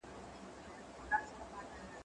زه به پاکوالي ساتلي وي،